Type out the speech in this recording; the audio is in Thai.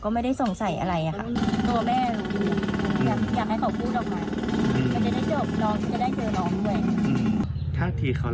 กลัวแต่ส่วนตรงตู้เย็นตรงช่วงที่พ่อนอน